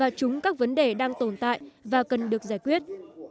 và chúng các vấn đề đang tồn tại và cần được giải quyết